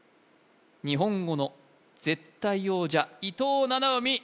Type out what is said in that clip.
日本語の絶対王者伊藤七海七海